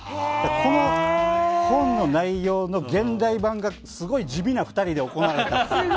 この本の内容の現代版がすごい地味な２人で行われたっていう。